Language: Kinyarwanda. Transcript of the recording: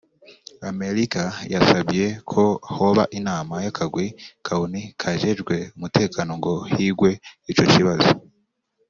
Amerika yasavye ko hoba inama y'akagwi ka Onu kajejwe umutekano ngo higwe ico kibazo